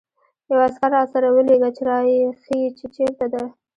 یو عسکر راسره ولېږه چې را يې ښيي، چې چېرته ده.